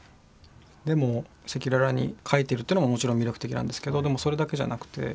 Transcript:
でも赤裸々に書いてるというのももちろん魅力的なんですけどでもそれだけじゃなくて。